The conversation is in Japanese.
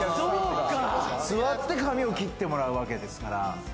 座って髪を切ってもらうわけですから。